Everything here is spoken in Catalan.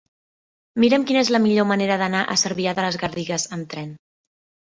Mira'm quina és la millor manera d'anar a Cervià de les Garrigues amb tren.